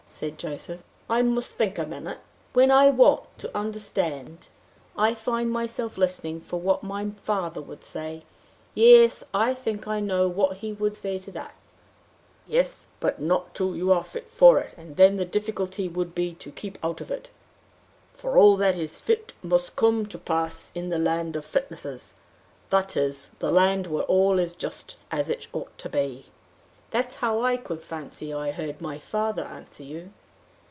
said Joseph. "I must think a minute. When I want to understand, I find myself listening for what my father would say. Yes, I think I know what he would say to that: 'Yes; but not till you are fit for it; and then the difficulty would be to keep out of it. For all that is fit must come to pass in the land of fitnesses that is, the land where all is just as it ought to be.' That's how I could fancy I heard my father answer you."